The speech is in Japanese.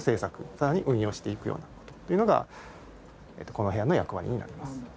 さらに運用していくような事っていうのがこの部屋の役割になります。